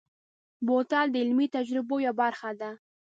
بوتل د علمي تجربو یوه برخه ده.